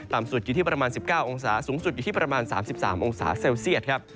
สุดอยู่ที่ประมาณ๑๙องศาสูงสุดอยู่ที่ประมาณ๓๓องศาเซลเซียตครับ